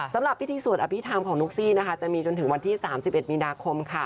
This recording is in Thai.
สำหรับพิธีสวดอภิษฐรรมของนุ๊กซี่นะคะจะมีจนถึงวันที่๓๑มีนาคมค่ะ